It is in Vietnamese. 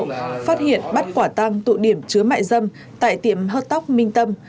phát hiện bắt quả tăng tụ điểm chứa mại dâm tại tiệm hớt tóc minh tâm